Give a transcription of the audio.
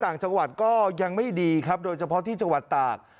ต่างจังหวัดก็ยังไม่ดีครับโดยเฉพาะที่จังหวัดตาก